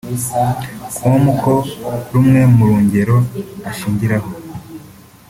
com ko rumwe mu ngero ashingiraho